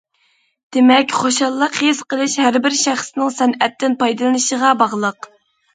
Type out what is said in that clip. دېمەك، خۇشاللىق ھېس قىلىش ھەر بىر شەخسنىڭ سەنئەتتىن پايدىلىنىشىغا باغلىق.